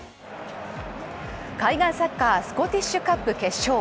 海外サッカー、スコティッシュカップ決勝。